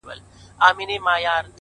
• درته خبره كوم،